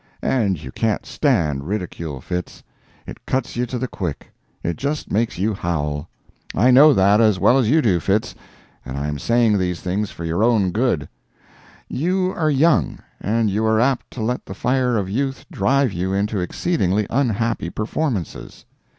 And you can't stand ridicule, Fitz; it cuts you to the quick; it just makes you howl; I know that as well as you do, Fitz, and I am saying these things for your own good; you are young, and you are apt to let the fire of youth drive you into exceedingly unhappy performances.